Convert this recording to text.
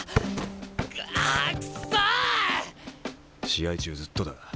試合中ずっとだ。